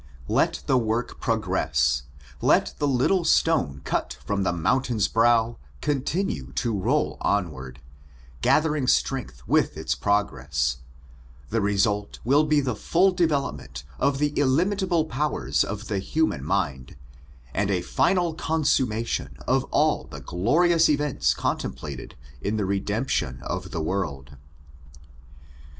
Let the work progress — ^let the little stone cut fh)m the mountain's brow, continue to roll onward, gathering strength with its progress — the result will be the full development of the illimitable powers of the human mind, and a final consummation of all the glorious events contemplated in the redemption of the world.